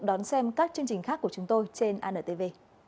đón xem các chương trình khác của chúng tôi trên antv